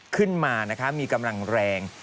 ขึ้นมานะคะมีกำลังแรง